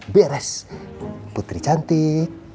beres putri cantik